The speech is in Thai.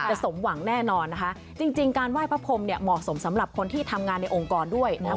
สมหวังแน่นอนนะคะจริงการไหว้พระพรมเนี่ยเหมาะสมสำหรับคนที่ทำงานในองค์กรด้วย